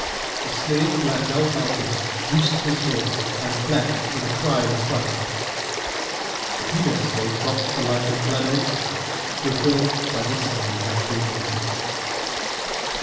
The slave who held Malchus loosed his hold and fled with a cry of affright, the female slave dropped the light and fled also. Clotilde had by this time gained her feet.